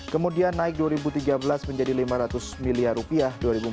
kemudian naik dua ribu tiga belas menjadi lima ratus miliar rupiah